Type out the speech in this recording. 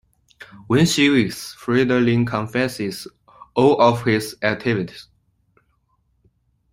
When she wakes, Fridolin confesses all of his activities.